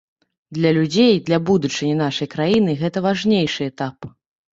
Для людзей, для будучыні нашай краіны гэта важнейшы этап.